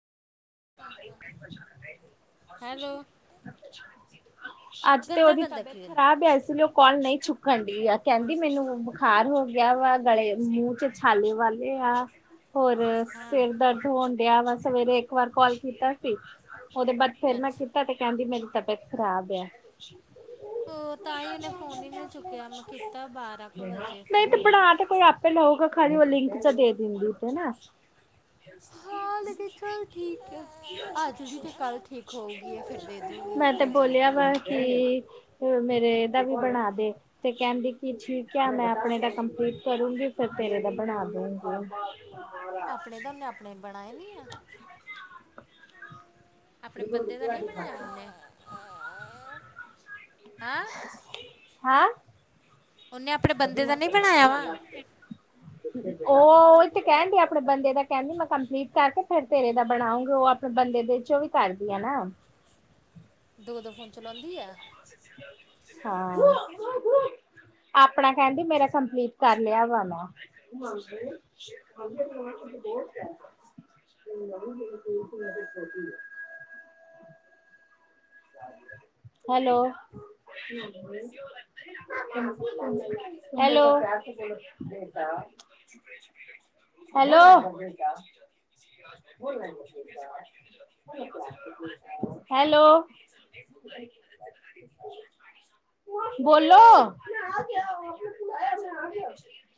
[inaudible] Hello ਅੱਜ ਤੇ ਗੰਦਾ ਉਹਦੀ ਗੰਦਾ ਤਬੀਅਤ ਕੀ ਖ਼ਰਾਬ ਐ ਇਸ ਲਈ ਉਹ ਕਾਲ ਨਹੀਂ ਚੁੱਕ ਡੀ ਆ ਕਹਿੰਦੀ ਮੈਨੂੰ ਬੁਖਾਰ ਹੋ ਗਿਆ ਵਾ ਗਲੇ ਮੂੰਹ ਚ ਛਾਲੇ ਵਾਲੇ ਆ। ਹੋਰ ਹਾਂ ਸਿਰ ਦਰਦ ਹੋਣ ਡਿਆ ਵਾ ਸਵੇਰੇ ਇੱਕ ਵਾਰ ਕਾਲ ਕੀਤਾ ਸੀ ਉਹਦੇ ਬਾਅਦ ਫੇਰ ਮੈਂ ਅੱਛਾ ਕੀਤਾ ਤੇ ਕਹਿੰਦੀ ਮੇਰੀ ਤਬੀਅਤ ਖ਼ਰਾਬ ਆ। ਉਹ ਤਾਂ ਹੀ ਉਹਨੇ ਫੋਨ ਹੀ ਨਹੀਂ ਚੁੱਕਿਆ ਮੈਂ ਕੀਤਾ ਬਾਰਾਂ ਕੁ ਵਜੇ ਨਹੀਂ ਤੇ ਫੋਨ ਬਣਾ ਤੇ। ਆਪੇ ਲੋਕ ਖਾਲੀ ਉਹ ਲਿੰਕ ਤਾਂ ਦੇ ਦਿੰਦੀ ਤੇ ਨਾ, ਹਾਲ ਤੇ ਚੱਲ ਠੀਕ ਅੱਜ ਵੀ ਤੇ ਕੱਲ ਠੀਕ ਹੋਊਗੀ ਫਿਰ ਦੇ ਦੂਗੀ ਮੈਂ ਤੇ ਕੀ ਬੋਲਿਆ ਜਲਦੀ ਆ। ਵਾ ਕਿ ਮੇਰੇ ਇਹਦਾ ਵੀ ਬਣਾ ਦੇ ਤੇ ਕਹਿੰਦੀ ਕਿ ਠੀਕ ਆ ਮੈਂ ਆਪਣੇ ਦਾ ਕੰਪਲੀਟ ਕਰੂੰਗੀ ਫਿਰ ਤੇਰੇ ਦਾ ਬਣਾ ਦੁਗੀ। ਆਪਣੇ ਤਾਂ ਉਹਨੇ ਆਪਣੇ ਬਣਾਏ ਨੀ ਆ। ਆਪਣੇ ਬੰਦੇ ਦਾ ਨਹੀਂ ਬਣਾਇਆ ਉਹਨੇ? ਹਾਂ ਹੈਂ। ਉਹਨੇ ਆਪਣੇ ਬੰਦੇ ਦਾ ਨੀ ਬਣਾਇਆ ਵਾ? [inaudible] ਉਹ ਉਹ ਤੇ ਕਹਿਣ ਦੀ ਆਪਣੇ ਬੰਦੇ ਦਾ ਕਹਿਣ ਦੀ ਮੈਂ ਕੰਪਲੀਟ ਕਰਕੇ ਫਿਰ ਤੇਰੇ ਦਾ ਬਣਾਉਗੀ ਉਹ ਬੰਦੇ ਦੇ ਚੋਂ ਵੀ ਕਰਦੀ ਆ ਨਾ ਦੋ-ਦੋ ਫੋਨ ਚਲਾਉਂਦੀ ਐ। ਹਾਂ, ਆਪਣਾ ਕਹਿੰਦੀ ਮੇਰਾ ਕੰਪਲੀਟ ਕਰ ਲਿਆ ਵਾ ਨਾ [inaudible] ਹੈਲੋ, ਹੈਲੋ। ਦਾ [unintelligible] ਹੈਲੋ। ਹੈਲੋ। ਬੋਲੋ।